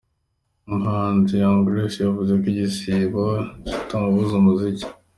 Umuhanzi Young Grace yavuze ko igisibo kitamubuza umuziki.